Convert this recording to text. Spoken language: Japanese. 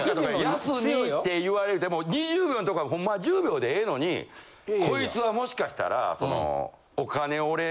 休みって言われても２０秒んとこはほんまは１０秒でええのにこいつはもしかしたら。